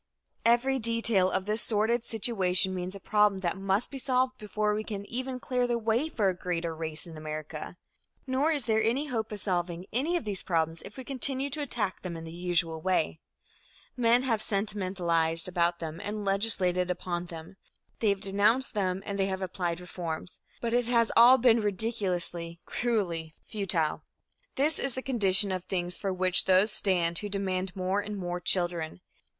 Every detail of this sordid situation means a problem that must be solved before we can even clear the way for a greater race in America. Nor is there any hope of solving any of these problems if we continue to attack them in the usual way. Men have sentimentalized about them and legislated upon them. They have denounced them and they have applied reforms. But it has all been ridiculously, cruelly futile. This is the condition of things for which those stand who demand more and more children.